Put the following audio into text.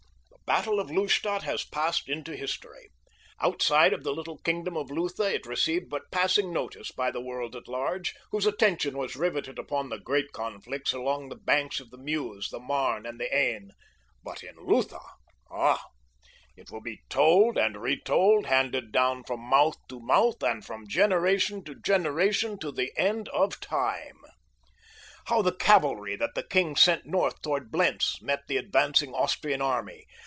The battle of Lustadt has passed into history. Outside of the little kingdom of Lutha it received but passing notice by the world at large, whose attention was riveted upon the great conflicts along the banks of the Meuse, the Marne, and the Aisne. But in Lutha! Ah, it will be told and retold, handed down from mouth to mouth and from generation to generation to the end of time. How the cavalry that the king sent north toward Blentz met the advancing Austrian army.